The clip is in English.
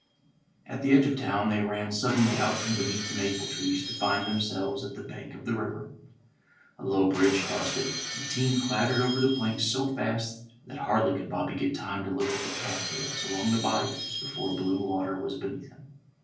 At the edge of town they ran suddenly out from beneath the maple trees to find themselves at the banks of the river. A long bridge crossed it. The team clattered over the planks so fast that hardly could Bobby get time to look at the cat tails along the bayous before blue water was beneath him.